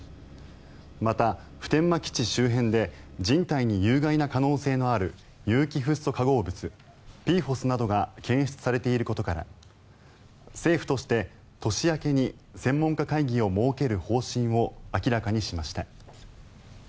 また、普天間基地周辺で人体に有害な可能性のある有機フッ素化合物ＰＦＯＳなどが検出されていることから政府として年明けに専門家会議を設ける方針を明らかにしました。